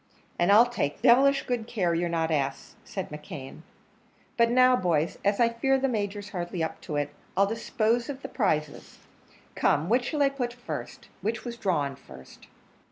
"And I'll take devilish good care you're not asked," said McKeon: "but now, boys, as I fear the Major's hardly up to it, I'll dispose of the prizes. Come, which shall I put up first? which was drawn first?"